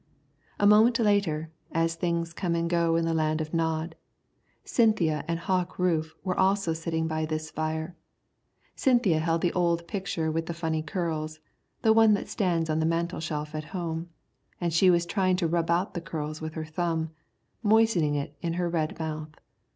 A moment later, as things come and go in the land of Nod, Cynthia and Hawk Rufe were also sitting by this fire. Cynthia held the old picture with the funny curls, the one that stands on the mantel shelf at home, and she was trying to rub out the curls with her thumb, moistening it in her red mouth.